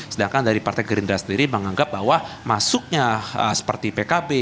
sedangkan dari partai gerindra sendiri menganggap bahwa masuknya seperti pkb